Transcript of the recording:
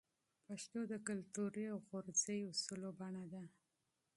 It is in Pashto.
پښتو د کلتوري غورزی اصولو بڼه ده.